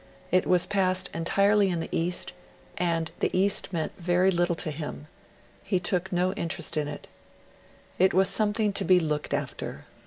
It was passed entirely in the East; and the East meant very little to him; he took no interest in it. It was something to be looked after.